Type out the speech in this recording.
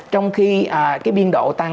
trong khi cái biên độ tăng